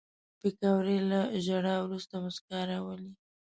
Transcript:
پکورې له ژړا وروسته موسکا راولي